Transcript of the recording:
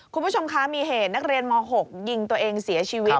คุณผู้ชมคะมีเหตุนักเรียนม๖ยิงตัวเองเสียชีวิต